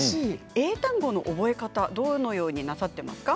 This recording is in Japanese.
英単語の覚え方はどのようになさっていますか？